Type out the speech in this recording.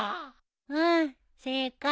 うん正解。